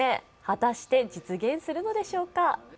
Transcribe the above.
果たして実現するのでしょうか。